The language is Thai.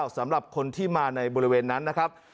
สำหรับคนที่มาในบริเวณนั้นนะครับ